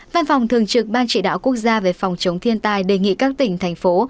văn phòng thường trực ban chỉ đạo quốc gia về phòng chống thiên tai đề nghị các tỉnh thành phố